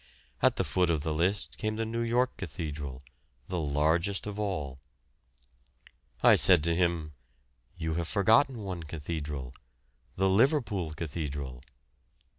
At the foot of the list came the New York cathedral, the largest of all. I said to him, "You have forgotten one cathedral, the Liverpool cathedral."